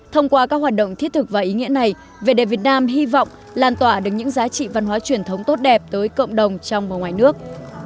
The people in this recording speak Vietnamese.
thông qua các hoạt động thiết thực và ý nghĩa này vẻ đẹp việt nam hy vọng làn tỏa được những giá trị văn hóa truyền thống tốt đẹp tới cộng đồng trong và ngoài nước